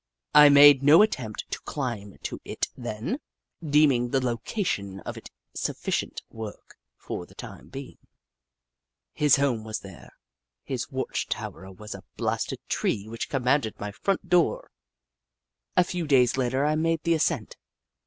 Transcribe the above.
I made no attempt to climb to it then, deeming the location of it sufhcient work for the time beinof. His home was there ; his watch tower was a blasted tree which commanded my front door. A few days later I made the ascent.